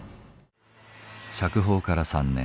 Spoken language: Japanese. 釈放から３年。